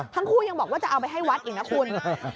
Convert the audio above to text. ทั้งคู่ยังบอกว่าจะเอาไปให้วัดอีกนะคุณ